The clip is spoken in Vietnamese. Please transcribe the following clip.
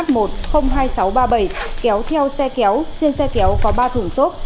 kéo theo xe kéo trên xe kéo có ba thùng sốt